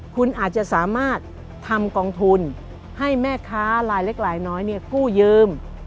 คุณอาจจะสามารถทำกองทุนให้แม่ค้าลายเล็กลายน้อยกู้ยืม